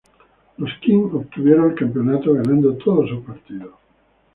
Los Kings obtuvieron el campeonato, ganando todos sus partidos.